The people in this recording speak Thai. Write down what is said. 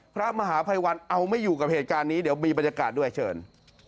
พระมหาภัยวันเอาไม่อยู่กับเหตุการณ์นี้เดี๋ยวมีบรรยากาศด้วยเชิญ